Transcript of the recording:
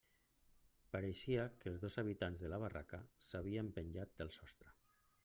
Pareixia que els dos habitants de la barraca s'havien penjat del sostre.